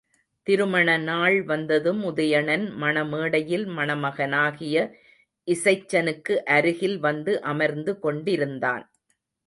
திருமண நாள் வந்ததும் உதயணன், மணமேடையில் மணமகனாகிய இசைச்சனுக்கு அருகில் வந்து அமர்ந்து கொண்டிருந்தான்.